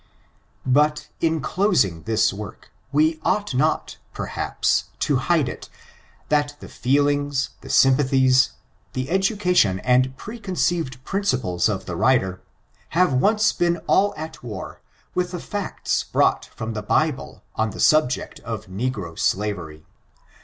But, in closing this work, we ought not, perhaps, to hide it, that the feelings, the sympathies, the edu cation and preconceived principles of the writer, have once been all at war with the facts brought from the Bible on the subject of negro slavery.